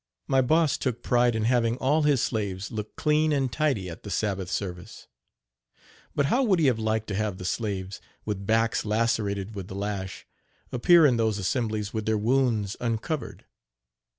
My Boss took pride in having all his slaves look clean any tidy at the Sabbath service; but how would he have liked to have the slaves, with backs lacerated with the lash, appear in those assemblies with their wounds uncovered?